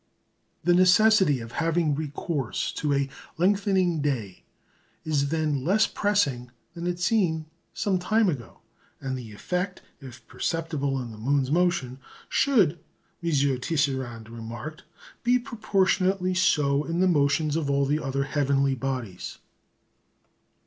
The necessity of having recourse to a lengthening day is then less pressing than it seemed some time ago; and the effect, if perceptible in the moon's motion, should, M. Tisserand remarked, be proportionately so in the motions of all the other heavenly bodies.